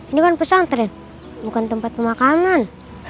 ini kan pesantren bukan tempat pemakaman